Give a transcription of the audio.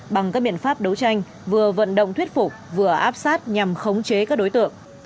bằng các biện pháp đấu tranh vừa vận động thuyết phục vừa áp sát nhằm khống chế các đối tượng